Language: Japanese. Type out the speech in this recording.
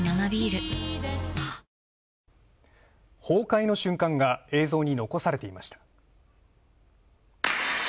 崩壊の瞬間が映像に残されていました。